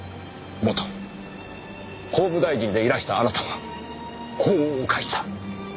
元法務大臣でいらしたあなたは法を犯した。